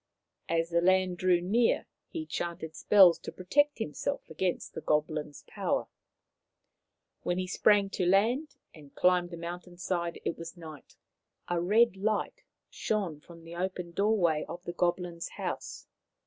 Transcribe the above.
As the land drew near he chanted spells to protect himself against the goblin's power. When he sprang to land and climbed the mountain side it was night. A red light shone from the open doorway of the goblin's house.